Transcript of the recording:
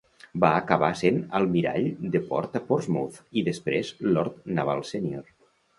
Va acabar sent Almirall de port a Portsmouth i després Lord Naval Sènior.